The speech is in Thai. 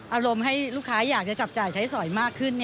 อารมณ์ให้ลูกค้าอยากจะจับจ่ายใช้สอยมากขึ้น